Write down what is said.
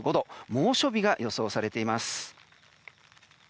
猛暑日が予想されています。